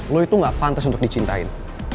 lo itu gak pantas untuk dicintain